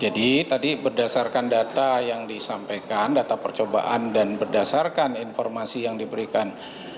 jadi tadi berdasarkan data yang disampaikan data percobaan dan berdasarkan informasi yang diberikan